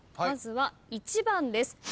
まずは１番です。